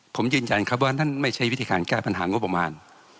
ผมยืนยันครับว่านั่นไม่ใช่วิธีการแก้ปัญหางบประมาณ